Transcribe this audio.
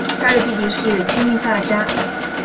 他的弟弟是金密萨加。